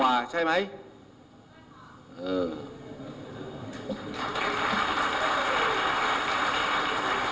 นายยกรัฐมนตรีพบกับทัพนักกีฬาที่กลับมาจากโอลิมปิก๒๐๑๖